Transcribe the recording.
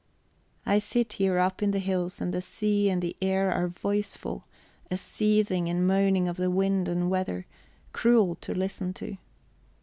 ... I sit here up in the hills and the sea and the air are voiceful, a seething and moaning of the wind and weather, cruel to listen to.